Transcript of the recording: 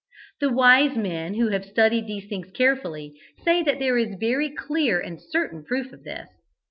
The wise men, who have studied these things carefully, say that there is very clear and certain proof of this.